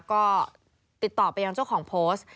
ก็ติดต่อไปยังเจ้าของโพสต์